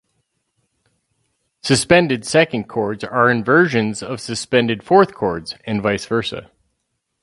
Suspended second chords are inversions of suspended fourth chords, and vice versa.